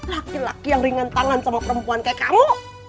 laki laki yang ringan tangan sama perempuan kayak kamu